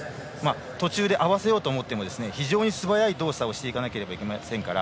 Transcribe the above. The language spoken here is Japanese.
途中で合わせようと思っても非常に素早い動作をしないといけませんから。